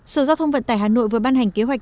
sở giao thông vận tải hà nội vừa ban hành kế hoạch